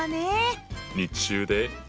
日中で。